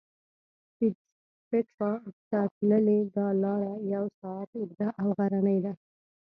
پېټرا ته تللې دا لاره یو ساعت اوږده او غرنۍ ده.